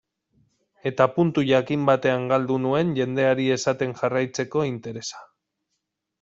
Eta puntu jakin batean galdu nuen jendeari esaten jarraitzeko interesa.